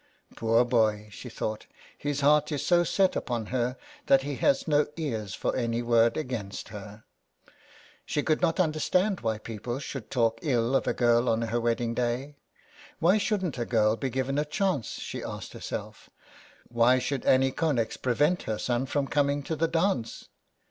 " Poor boy/' she thought '' his heart is so set upon her that he has no ears for any word against her.'' She could not understand why people should talk ill of a girl on her wedding day. '' Why shouldn't a girl be given a chance," she asked herself ''Why should Annie Connex prevent her son from coming to the dance."